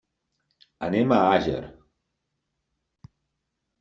Anem a Àger.